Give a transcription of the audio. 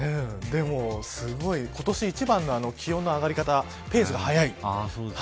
今年一番の気温の上がり方ペースが早い。